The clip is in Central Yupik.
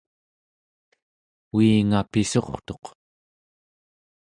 uinga pissurtuq